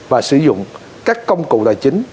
và sử dụng các công cụ tài chính